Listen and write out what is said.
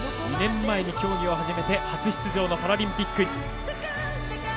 ２年前に競技を始めて初出場のパラリンピック。